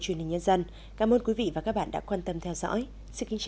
truyền hình nhân dân cảm ơn quý vị và các bạn đã quan tâm theo dõi xin kính chào và hẹn gặp lại